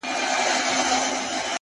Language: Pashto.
ستا د خولې سا،